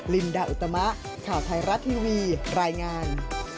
ลินดาอุตมะข่าวไทยรัฐทีวีรายงาน